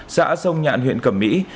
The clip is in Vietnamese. xã sông nhạn huyện cẩm mỹ